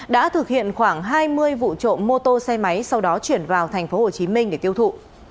đã thực hiện khoảng hai mươi vụ trộm mô tô xe máy sau đó chuyển vào tp hcm để tiêu thụ